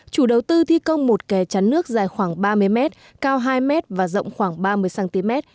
chủ đầu tư thi công một kè chắn nước dài khoảng ba mươi m cao hai m và rộng khoảng ba mươi cm